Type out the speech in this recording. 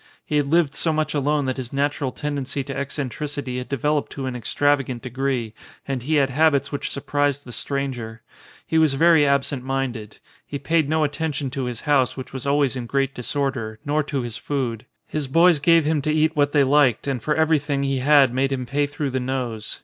He had lived so much alone that his natural tendency to eccentricity had developed to an extravagant de gree, and he had habits which surprised the stranger. He was very absent minded. He paid no attention to his house, which was always in great disorder, nor to his food; his boys gave him to eat what they liked and for everything he had made him pay through the nose.